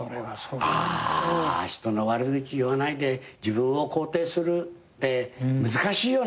人の悪口言わないで自分を肯定するって難しいよね。